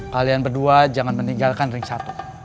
kalian berdua jangan meninggalkan ring satu